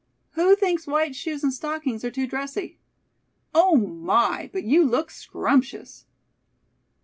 "Who thinks white shoes and stockings are too dressy?" "Oh my, but you look scrumptious!"